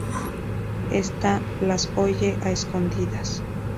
Ésta las oye a escondidas.